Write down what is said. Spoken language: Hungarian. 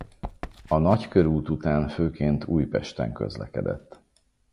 A Nagykörút után főként Újpesten közlekedett.